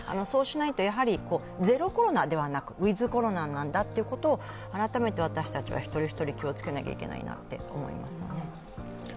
そうしないとゼロ・コロナではなくてウィズ・コロナなんだということを改めて私たちは一人一人気を付けなきゃいけないなと思いますね。